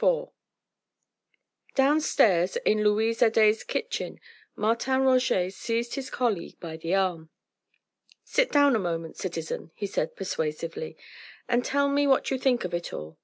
IV Downstairs in Louise Adet's kitchen, Martin Roget seized his colleague by the arm. "Sit down a moment, citizen," he said persuasively, "and tell me what you think of it all."